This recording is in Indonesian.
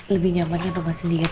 lebih nyaman yang rumah sendiri